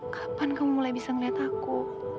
kapan kamu mulai bisa melihat aku